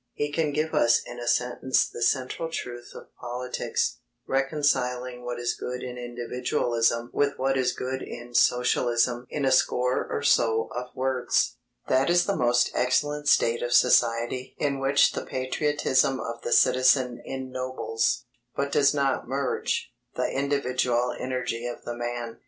He can give us in a sentence the central truth of politics, reconciling what is good in Individualism with what is good in Socialism in a score or so of words: That is the most excellent state of society in which the patriotism of the citizen ennobles, but does not merge, the individual energy of the man.